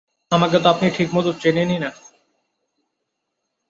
আমাকে তো আপনি চেনেনই না ঠিকমতো।